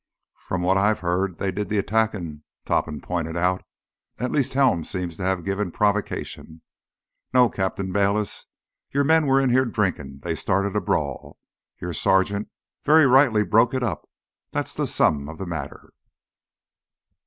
"From what I've heard, they did the attacking," Topham pointed out. "At least Helms seems to have given provocation. No, Captain Bayliss, your men were in here drinking. They started a brawl. Your sergeant very rightly broke it up. That's the sum of the matter!"